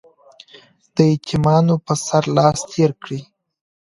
د يتيمانو په سر لاس تېر کړئ.